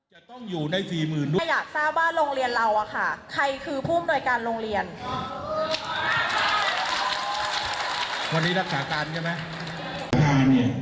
รักษาการเนี่ยมันไม่ได้รักษาการทุกวันนะเนี่ย